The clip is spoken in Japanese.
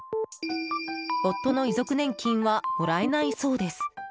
夫の遺族年金はもらえないそうです。